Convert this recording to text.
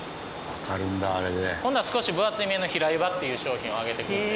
今度は少し分厚めの平湯葉という商品をあげていくんで。